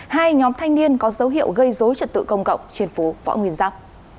hai nhóm thanh niên có dấu hiệu gây dối trật tự công cộng trên phố võ nguyên giáp